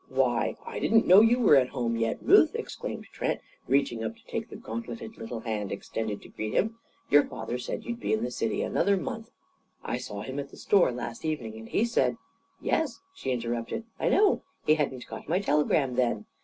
"Why, I didn't know you were at home yet, Ruth!" exclaimed Trent, reaching up to take the gauntleted little hand extended to greet him. "Your father said you'd be in the city another month. I saw him at the store last evening, and he said " "Yes," she interrupted, "I know. He hadn't got my telegram, then.